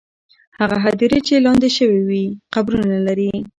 هغه هدیرې چې لاندې شوې، قبرونه لري.